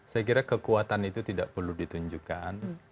saya kira kekuatan itu tidak perlu ditunjukkan